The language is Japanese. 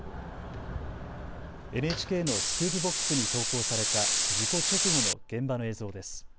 ＮＨＫのスクープＢＯＸに投稿された事故直後の現場の映像です。